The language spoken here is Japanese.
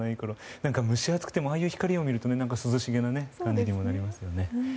なんか蒸し暑くてもああいう光を見ると涼しげな感じになりますね。